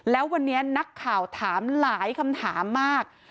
แล้ววันนี้นักข่าวถามหลายคำถามมาก